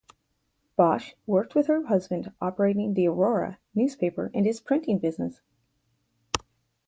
Bache worked with her husband operating the "Aurora" newspaper and his printing business.